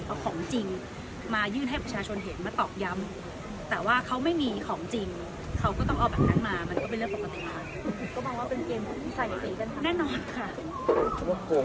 ใส่กันฮะแน่นอนค่ะเพราะว่าโครงของเกอร์กุล